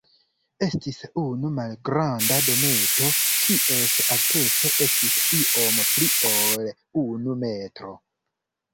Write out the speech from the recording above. Estis unu malgranda dometo, kies alteco estis iom pli ol unu metro.